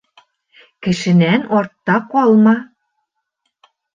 Кешенән артта ҡалма.